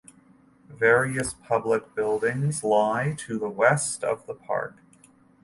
Various public buildings lie to the west of the park.